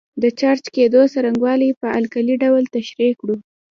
د چارج کېدو څرنګوالی په القايي ډول تشریح کړو.